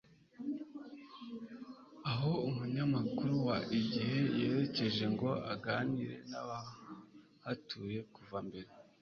aho Umunyamakuru wa IGIHE yerekeje ngo aganire n'abahatuye kuva mbere,